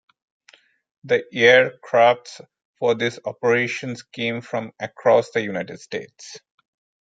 The air crafts for these operations came from across the United States.